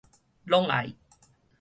攏愛